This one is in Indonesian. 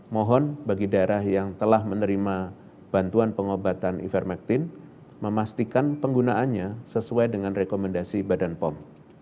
mohon bagi daerah yang telah menerima bantuan pengobatan ivermectin memastikan penggunaannya sesuai dengan rekomendasi badan pom